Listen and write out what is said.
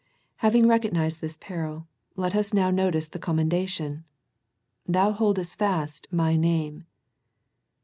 Having recognized this peril, let us now no I tice the commendation. " Thou boldest fast My name."